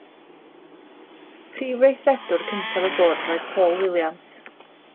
Prif Weithredwr cyntaf y bwrdd oedd Paul Williams.